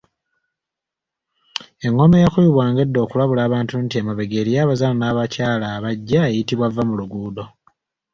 Engoma eyakubibwanga edda okulabula abantu nti emabega eriyo abazaana n’abakyala bajja eyitibwa Vvamuluguudo